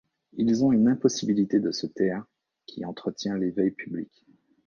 Ils ont une impossibilité de se taire qui entretient l’éveil public.